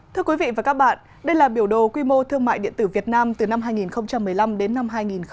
thưa quý vị và các bạn đây là biểu đồ quy mô thương mại điện tử việt nam từ năm hai nghìn một mươi năm đến năm hai nghìn hai mươi